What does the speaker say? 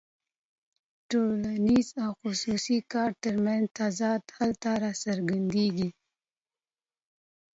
د ټولنیز او خصوصي کار ترمنځ تضاد هلته راڅرګندېږي